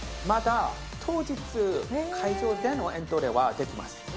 まだ当日、会場でのエントリーはできます。